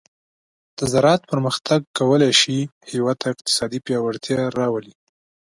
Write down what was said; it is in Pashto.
د زراعت پرمختګ کولی شي هیواد ته اقتصادي پیاوړتیا راولي.